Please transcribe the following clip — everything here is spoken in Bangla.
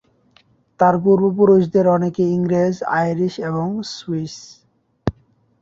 তার পূর্বপুরুষদের অনেকে ইংরেজ, আইরিশ, এবং সুইস।